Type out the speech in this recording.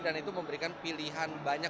dan itu memberikan pilihan banyak banyak